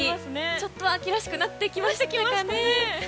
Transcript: ちょっとは秋らしくなってきましたね。